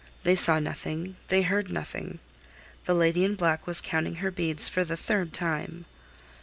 They saw nothing, they heard nothing. The lady in black was counting her beads for the third time.